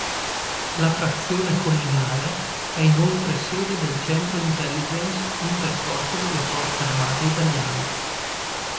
La frazione collinare è inoltre sede del Centro intelligence interforze delle Forze armate italiane.